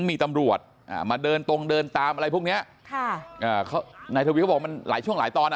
มีตำรวจมาเดินตรงเดินตามพุกนี้บอกมันหลายช่วงหลายตอน